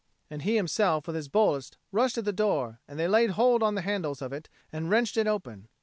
and himself with his boldest rushed at the door, and they laid hold on the handles of it and wrenched it open.